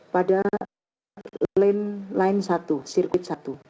pada sirkuit satu